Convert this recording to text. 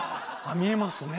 見えます？